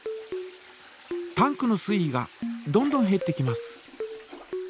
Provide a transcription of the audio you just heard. タンクの水位がどんどんへってきます。